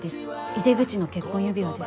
井手口の結婚指輪です。